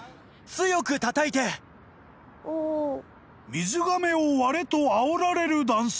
［水がめを割れとあおられる男性］